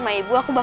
memilih anak kita